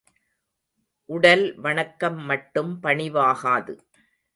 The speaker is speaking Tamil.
உடல் வணக்கம் மட்டும் பணிவாகாது.